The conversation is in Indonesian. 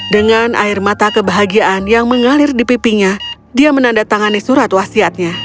dengan air mata kebahagiaan yang mengalir di pipinya dia menandatangani surat wasiatnya